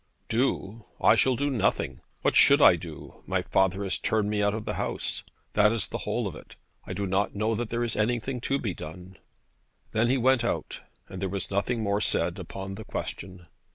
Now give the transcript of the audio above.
'Do! I shall do nothing. What should I do? My father has turned me out of the house. That is the whole of it. I do not know that there is anything to be done.' Then he went out, and there was nothing more said upon the question.